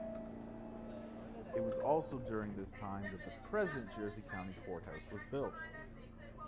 It was also during this time that the present Jersey County Courthouse was built.